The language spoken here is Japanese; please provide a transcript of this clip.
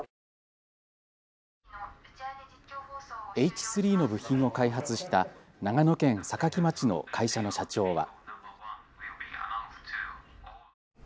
Ｈ３の部品を開発した長野県坂城町の会社の社長は。